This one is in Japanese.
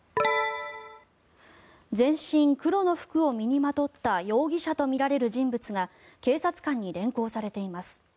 全身黒の服を身にまとった容疑者とみられる人物が警察官に連行されています。